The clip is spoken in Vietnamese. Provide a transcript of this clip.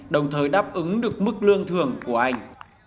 đồng thời đáp ứng được mức lương thường của anh